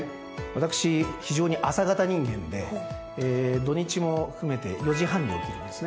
私非常に朝型人間で土日も含めて４時半に起きるんですね。